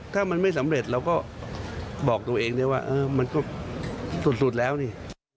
ถ้ามันไม่สำเร็จเราก็บอกตัวเองได้ว่ามันก็สุดแล้วนี่